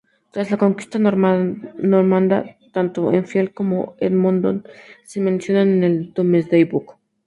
Tras la conquista normanda, tanto Enfield como Edmonton se mencionan en el Domesday Book.